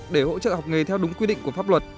để hỗ trợ học nghề theo đúng quy định của pháp luật